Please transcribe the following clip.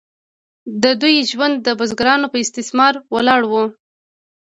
د دوی ژوند د بزګرانو په استثمار ولاړ و.